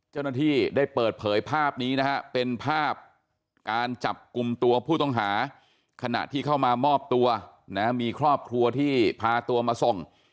เจ้าหน้าที่ได้เปิดเผยภาพนี้นะฮะเป็นภาพการจับกลุ่มตัวผู้ต้องหาขณะที่เข้ามามอบตัวนะมีครอบครัวที่พาตัวมาส่ง